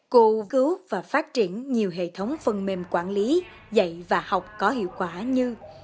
cô cứu và phát triển nhiều hệ thống phần mềm quản lý dạy và học có hiệu quả như